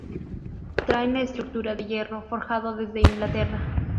Traen la estructura de hierro forjado desde Inglaterra.